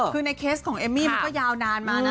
คือในเคสของเอมมี่มันก็ยาวนานมานะ